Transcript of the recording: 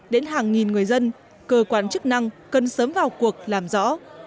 đến hàng nghìn người dân cơ quan chức năng cần sớm vào cuộc làm rõ